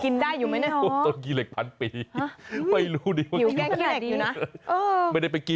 มากกกกกินได้อยู่ไหมได้โอ้หา